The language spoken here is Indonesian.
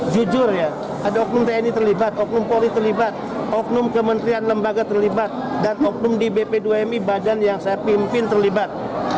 jujur ya ada oknum tni terlibat oknum polri terlibat oknum kementerian lembaga terlibat dan oknum di bp dua mi badan yang saya pimpin terlibat